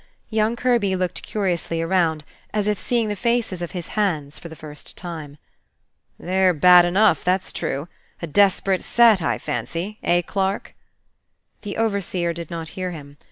Young Kirby looked curiously around, as if seeing the faces of his hands for the first time. "They're bad enough, that's true. A desperate set, I fancy. Eh, Clarke?" The overseer did not hear him.